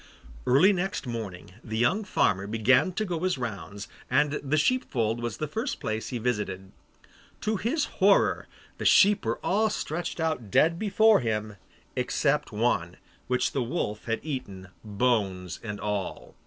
Early next morning the young farmer began to go his rounds, and the sheep fold was the first place he visited. To his horror, the sheep were all stretched out dead before him, except one, which the wolf had eaten, bones and all.